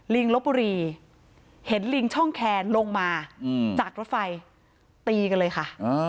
ลิงลบบุรีเห็นลิงช่องแคนลงมาจากรถไฟตีกันเลยค่ะ